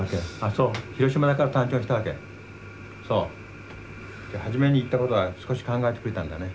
そうじゃあ初めに言ったことは少し考えてくれたんだね。